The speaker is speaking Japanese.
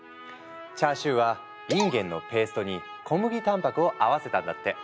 チャーシューはいんげんのペーストに小麦たんぱくを合わせたんだって。